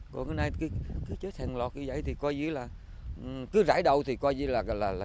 còn cái này cứ chết hàng loạt gì vậy thì coi như là cứ rải đầu thì coi như là chủ đó